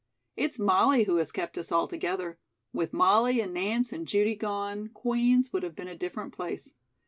"It's Molly who has kept us all together. With Molly and Nance and Judy gone, Queen's would have been a different place."